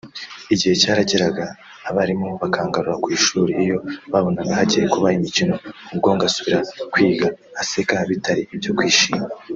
igihe cyarageraga abarimu bakangarura ku ishuri iyo babonaga hagiye kuba imikino ubwo ngasubira kwiga[aseka bitari ibyo kwishima]